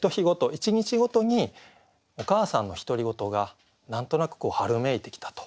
１日ごとにお母さんの独り言が何となく春めいてきたと。